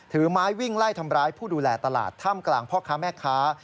ถือไม้วิ่งไล่ทำร้ายผู้ดูแลตลาดท่ามกลางพ่อค้าแม่ค้า